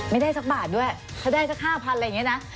ไม่ได้สักบาทด้วยเขาได้สัก๕๐๐อะไรอย่างนี้นะ